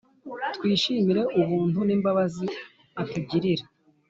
Twishimire Ubuntu n’imbabazi atugirira